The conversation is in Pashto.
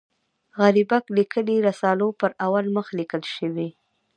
غریبک لیکلي رسالو پر اول مخ لیکل شوي.